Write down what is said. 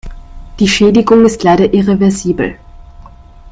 Die Schädigung ist leider irreversibel.